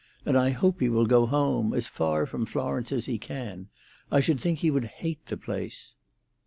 And I hope he will go home—as far from Florence as he can. I should think he would hate the place."